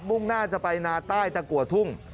่งหน้าจะไปนาใต้ตะกัวทุ่ง